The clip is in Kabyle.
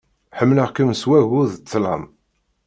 Ḥemmleɣ-kem s wagu d ṭṭlam.